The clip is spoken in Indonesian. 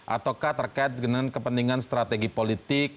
ataukah terkait dengan kepentingan strategi politik